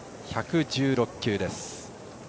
１１６球です。